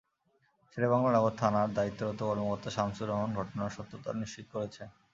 শেরে বাংলা নগর থানার দায়িত্বরত কর্মকর্তা শামসুর রহমান ঘটনার সত্যতা নিশ্চিত করেছেন।